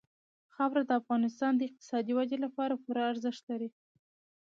خاوره د افغانستان د اقتصادي ودې لپاره پوره ارزښت لري.